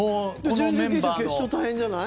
準決勝、決勝大変じゃない？